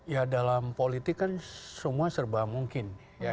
ya dalam politik kan semua serba mungkin